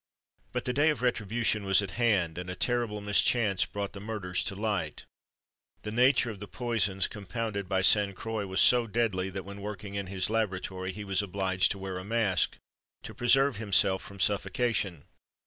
But the day of retribution was at hand, and a terrible mischance brought the murders to light. The nature of the poisons compounded by Sainte Croix was so deadly, that, when working in his laboratory, he was obliged to wear a mask, to preserve himself from suffocation.